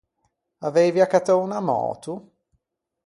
Aveivi accattou unna möto?